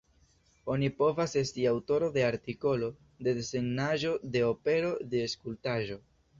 Oni povas esti aŭtoro de artikolo, de desegnaĵo, de opero, de skulptaĵo.